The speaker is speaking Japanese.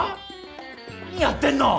何やってんの！